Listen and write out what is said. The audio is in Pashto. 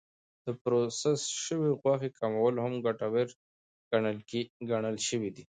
د پروسس شوې غوښې کمول هم ګټور ګڼل شوی دی.